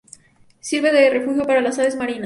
Sirve de refugio para las aves marinas.